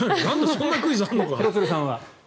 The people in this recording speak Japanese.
そんなクイズあるのか。